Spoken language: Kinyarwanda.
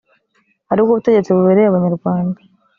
aribwo butegetsi bubereye abanyarwanda